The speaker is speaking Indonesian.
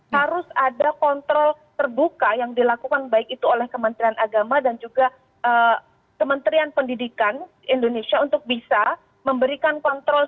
harus ada kontrol terbuka yang dilakukan baik itu oleh kementerian agama dan juga kementerian pendidikan indonesia untuk bisa memberikan kontrol